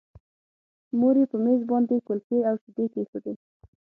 مور یې په مېز باندې کلچې او شیدې کېښودې